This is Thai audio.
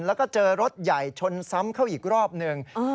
แล้วก็เจอรถใหญ่ชนซ้ำเข้าอีกรอบหนึ่ง